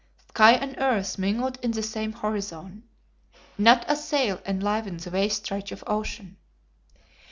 Sky and earth mingled in the same horizon. Not a sail enlivened the vast stretch of ocean.